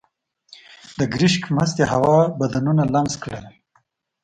د ګرشک مستې هوا بدنونه لمس کړل.